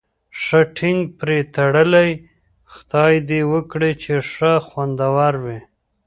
ښه ټینګ پرې تړلی، خدای دې وکړي چې ښه خوندور وي.